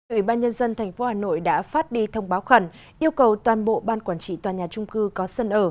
ủy ban nhân dân tp hà nội đã phát đi thông báo khẩn yêu cầu toàn bộ ban quản trị tòa nhà trung cư có sân ở